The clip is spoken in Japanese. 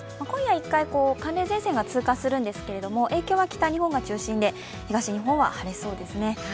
今夜一回寒冷前線が通過するんですけれども、影響は北日本が中心で東日本は晴れそうですね。